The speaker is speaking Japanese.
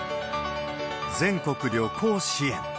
全国旅行支援。